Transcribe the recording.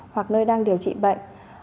hoặc nơi đang điều trị bệnh